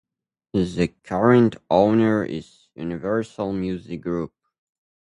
The current owner is Universal Music Group.